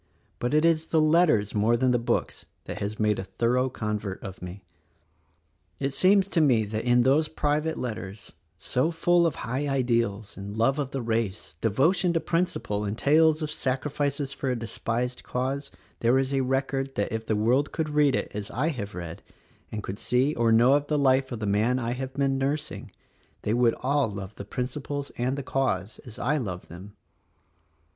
But it is the letters more than the books that has made a thorough convert of me. It seems to me that in those private letters, so full of high ideals, love of the race, devotion to principle, and tales of sacrifices for a despised cause there is a record that if the world could read it as I have read, and could see or know of the life of the man I have been nursing, they would all love the principles and the cause as I love them.